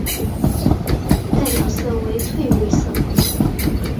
代表色为翠绿色。